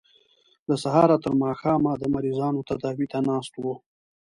له سهاره تر ماښامه د مریضانو تداوۍ ته ناست وو.